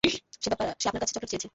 সে আপনার কাছে চকলেট চেয়েছে?